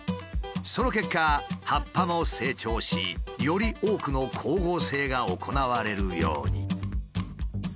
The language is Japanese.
その結果葉っぱも成長しより多くの光合成が行われるように。